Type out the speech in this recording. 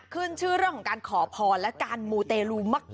ขึ้นชื่อเรื่องของการขอพรและการมูเตลูมาก